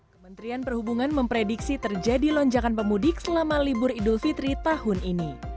kementerian perhubungan memprediksi terjadi lonjakan pemudik selama libur idul fitri tahun ini